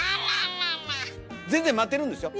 全然待てるんですよ